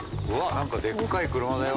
なんかでっかい車だよ。